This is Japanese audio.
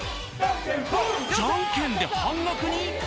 じゃんけんで半額に？